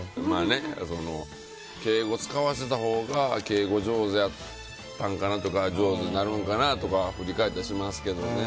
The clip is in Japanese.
敬語を使わせたほうが敬語上手やったんかなとか上手になるんかなとか振り返ったりしますけどね。